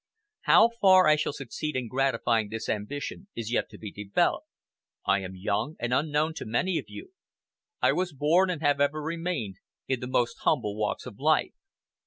How far I shall succeed in gratifying this ambition is yet to be developed. I am young, and unknown to many of you. I was born, and have ever remained, in the most humble walks of life.